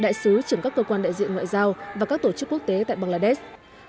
đại sứ trưởng các cơ quan đại diện ngoại giao và các tổ chức quốc tế tại bangladesh